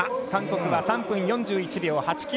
韓国は３分４１秒８９。